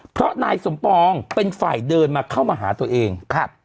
เพราะนายสมปองเป็นฝ่ายเดินมาเข้ามาหาตัวเองครับ